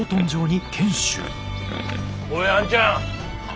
おいあんちゃん。